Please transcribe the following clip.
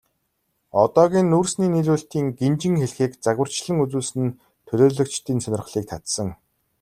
Одоогийн нүүрсний нийлүүлэлтийн гинжин хэлхээг загварчлан үзүүлсэн нь төлөөлөгчдийн сонирхлыг татсан.